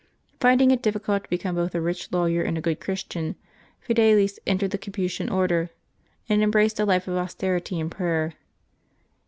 Finding it difficult to become both a rich law yer and a good Christian, Fidelis entered the Capuchin Order, and embraced a life of austerity and prayer.